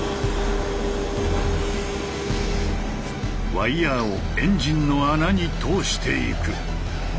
ワイヤーをエンジンの穴に通していく。